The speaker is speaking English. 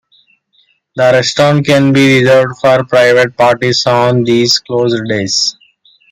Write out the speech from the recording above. The restaurant can be reserved for private parties on these Closed Days.